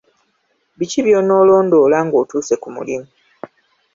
Biki by'onoolondoola ng'otuuse ku mulimu?